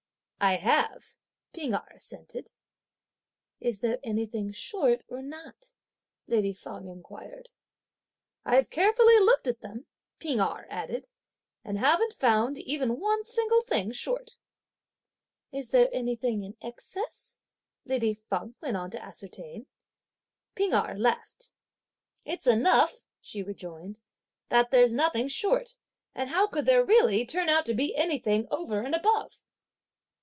"I have!" P'ing Erh assented. "Is there anything short or not?" lady Feng inquired. "I've carefully looked at them," P'ing Erh added, "and haven't found even one single thing short." "Is there anything in excess?" lady Feng went on to ascertain. P'ing Erh laughed. "It's enough," she rejoined, "that there's nothing short; and how could there really turn out to be anything over and above?"